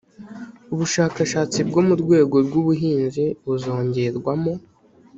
ubushakashatsi bwo mu rwego rw ubuhinzi buzongerwamo